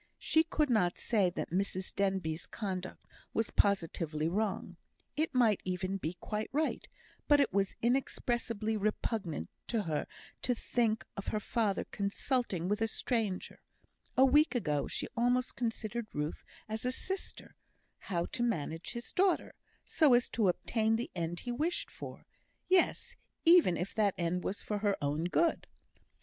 She could not say that Mrs Denbigh's conduct was positively wrong it might even be quite right; but it was inexpressibly repugnant to her to think of her father consulting with a stranger (a week ago she almost considered Ruth as a sister) how to manage his daughter, so as to obtain the end he wished for; yes, even if that end was for her own good.